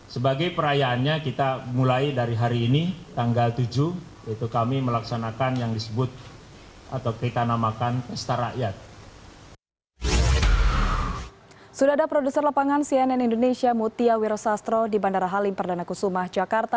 sudah ada produser lapangan cnn indonesia mutia wirosastro di bandara halim perdana kusuma jakarta